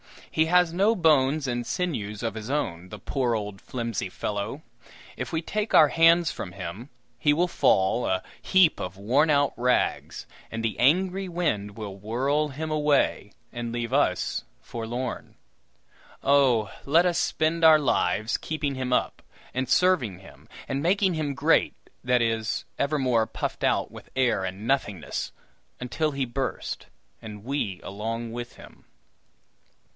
He has no bones and sinews of his own, the poor old flimsy fellow! If we take our hands from him, he will fall a heap of worn out rags, and the angry wind will whirl him away, and leave us forlorn. Oh, let us spend our lives keeping him up, and serving him, and making him great that is, evermore puffed out with air and nothingness until he burst, and we along with him!